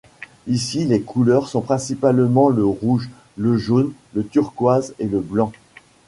Ici les couleurs sont principalement le rouge, le jaune, le turquoise et le blanc.